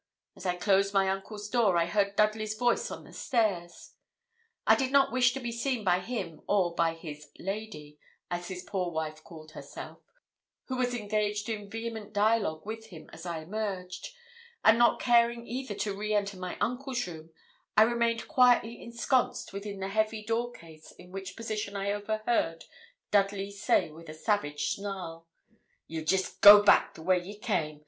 As I closed my uncle's door, I heard Dudley's voice on the stairs. I did not wish to be seen by him or by his 'lady', as his poor wife called herself, who was engaged in vehement dialogue with him as I emerged, and not caring either to re enter my uncle's room, I remained quietly ensconced within the heavy door case, in which position I overheard Dudley say with a savage snarl 'You'll jest go back the way ye came.